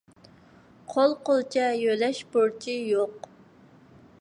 قول قولچە يۆلەش بۇرچى يوق.